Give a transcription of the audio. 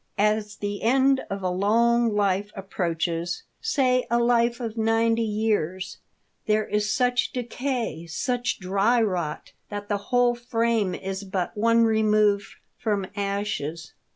As the end of a long life A TALK OF THE DEATH SHIP. I 3 approaches, say a life of ninety years, there is such decay, such dry rot, that the whole frame is but one remove from ashes.